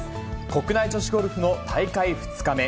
国内女子ゴルフの大会２日目。